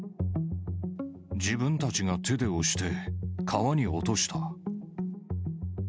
自分たちが手で押して、川に落とした。